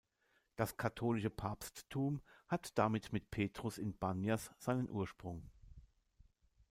Das katholische Papsttum hat damit mit Petrus in Banyas seinen Ursprung.